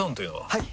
はい！